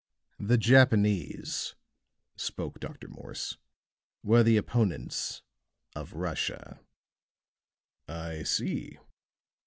"The Japanese," spoke Dr. Morse, "were the opponents of Russia." "I see.